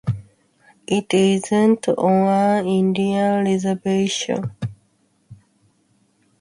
It is not on an Indian reservation.